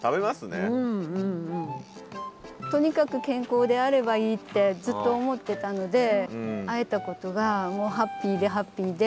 とにかく健康であればいいってずっと思ってたので会えたことがもうハッピーでハッピーで。